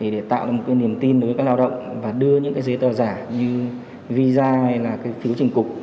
để tạo ra một niềm tin đối với các lao động và đưa những giấy tờ giả như visa hay là phiếu trình cục